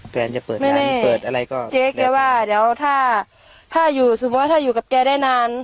แฟนจะเปิดงานเปิดอะไรก็เจ๊แกว่าเดี๋ยวถ้าถ้าอยู่สมมุติถ้าอยู่กับแกได้นาน